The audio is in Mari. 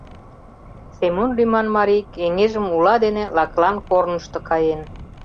Семон лӱман марий кеҥежым ула дене лакылан корнышто каен.